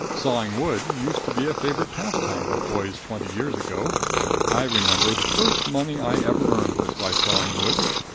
Sawing wood used to be a favorite pastime with boys twenty years ago. I remember the first money I ever earned was by sawing wood.